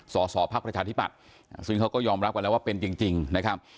สอสอภักดิ์ประชาธิบัติซึ่งเขาก็ยอมรับกันแล้วว่าเป็นจริงนะครับ